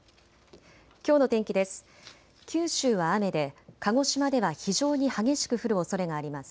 きょうの天気です。